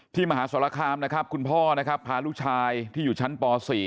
มหาสรคามนะครับคุณพ่อนะครับพาลูกชายที่อยู่ชั้นป๔